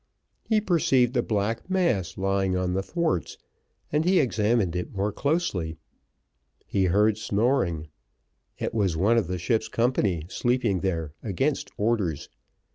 He perceived a black mass lying on the thwarts, and he examined it more closely: he heard snoring; it was one of the ship's company sleeping there against orders.